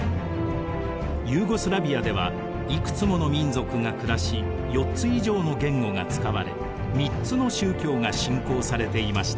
ユーゴスラヴィアではいくつもの民族が暮らし４つ以上の言語が使われ３つの宗教が信仰されていました。